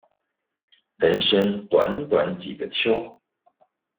人生短短幾個秋